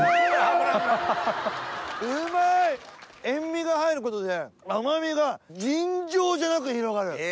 塩みが入ることで甘みが尋常じゃなく広がる。